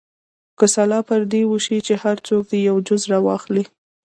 که سلا پر دې وشي چې هر څوک دې یو جز راواخلي.